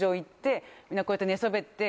こうやって。って言って。